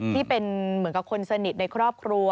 ที่เป็นเหมือนกับคนสนิทในครอบครัว